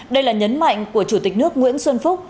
đây là nhấn mạnh của chủ tịch nước nguyễn xuân phúc